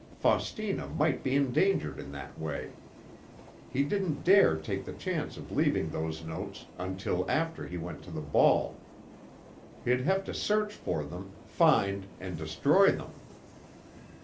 Faustina might be endangered in that way. He didn't dare take the chance of leaving those notes until after he went to the ball. He'd have to search for them, find, and destroy them.